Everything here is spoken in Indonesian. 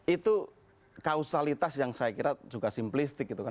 itu kausalitas yang saya kira juga simplistik gitu kan